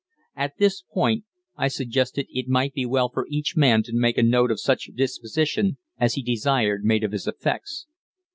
At this point I suggested it might be well for each man to make a note of such disposition as he desired made of his effects.